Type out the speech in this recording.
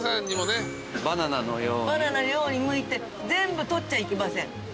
バナナのようにむいて全部取っちゃいけません。